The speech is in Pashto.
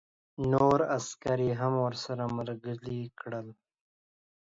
نور عسکر یې هم ورسره ملګري کړل